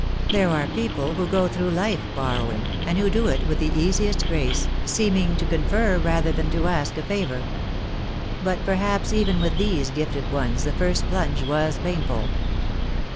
There are people who go through life borrowing, and who do it with the easiest grace, seeming to confer rather than to ask a favour. But perhaps even with these gifted ones the first plunge was painful.